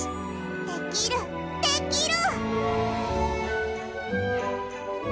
できるできる！